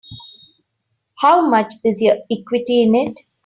How much is your equity in it?